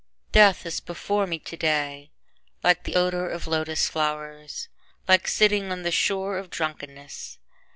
Death is before me today Like the odor of lotus flov^ers, Like sitting on the shore of drunkenness.